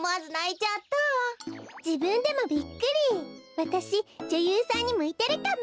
わたしじょゆうさんにむいてるかも。